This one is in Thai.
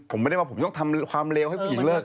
ผมไม่ได้ว่าผมต้องทำความเลวให้ผู้หญิงเลิก